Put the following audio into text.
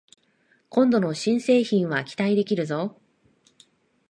今度の新製品は期待できるぞ